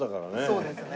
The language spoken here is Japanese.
そうですね。